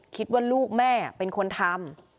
คิดว่าลูกแม่เป็นคนทำ